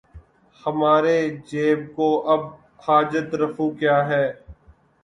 ہمارے جیب کو اب حاجت رفو کیا ہے